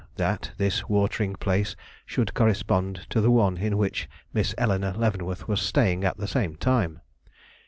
That this watering place should correspond to the one in which Miss Eleanore Leavenworth was staying at the same time.